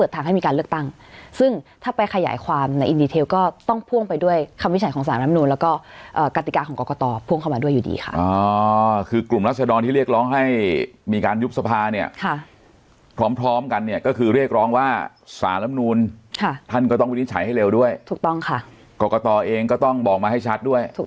ตั้งซึ่งถ้าไปขยายความในก็ต้องพ่วงไปด้วยคำวิจัยของสารรับนูนแล้วก็อ่ากติกาของกรกตพ่วงเข้ามาด้วยอยู่ดีค่ะอ่าคือกลุ่มรัชดรที่เรียกร้องให้มีการยุบสภาเนี่ยค่ะพร้อมพร้อมกันเนี่ยก็คือเรียกร้องว่าสารรับนูนค่ะท่านก็ต้องวินิจฉัยให้เร็วด้วยถูกต้องค่ะกรกตเองก็ต้